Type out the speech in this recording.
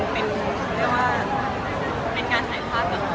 พี่ก้าวเข้ามาเลยอะ